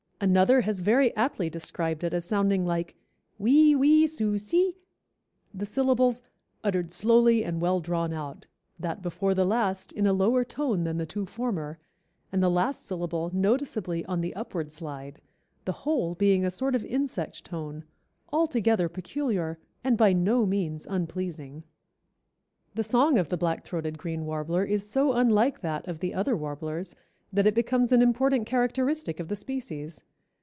Another has very aptly described it as sounding like, "Wee wee su see," the syllables "uttered slowly and well drawn out; that before the last in a lower tone than the two former, and the last syllable noticeably on the upward slide; the whole being a sort of insect tone, altogether peculiar, and by no means unpleasing." The song of the Black throated Green Warbler is so unlike that of the other warblers that it becomes an important characteristic of the species.